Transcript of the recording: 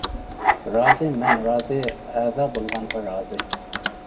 رازى، مەن رازى، ئەزا بولغانغا رازى.